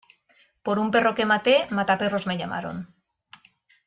Por un perro que maté, mataperros me llamaron.